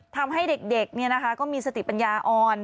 ทำให้เด็กก็มีสติปัญญาอ่อน